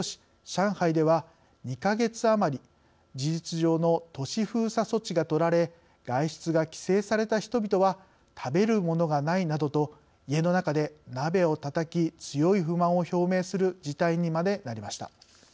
上海では２か月余り事実上の都市封鎖措置がとられ外出が規制された人々は食べる物がないなどと家の中で鍋をたたき強い不満を表明する事態にまでなりました。